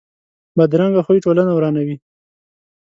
بدرنګه خوی ټولنه ورانوي